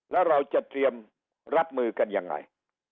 แล้วเราจะเตรียมรับมือกันยังไง